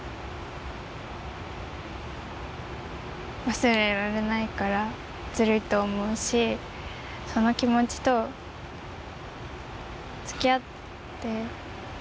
忘れられないからずるいと思うしその気持ちと付き合っていくのはしんどい。